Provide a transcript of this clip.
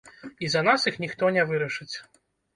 І за нас іх ніхто не вырашыць.